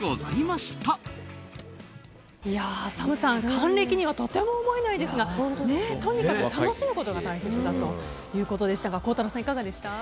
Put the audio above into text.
還暦にはとても思えないですがとにかく楽しむことが大切だということでしたが孝太郎さん、いかがでしたか。